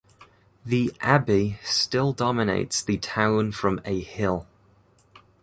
The abbey still dominates the town from a hill.